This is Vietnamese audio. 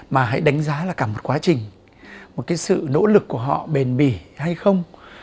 mà hãy đánh giá là cả một quá trình một cái sự nỗ lực của họ bền bỉ hay không